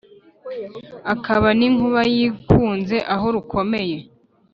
Akaba n’ inkuba yikunze aho rukomeye